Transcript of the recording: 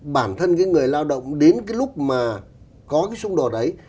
bản thân cái người lao động đến cái lúc mà có cái xung đột đấy